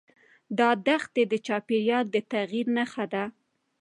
دا دښتې د چاپېریال د تغیر نښه ده.